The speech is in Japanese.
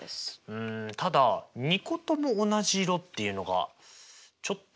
うんただ２個とも同じ色っていうのがちょっと複雑ですね。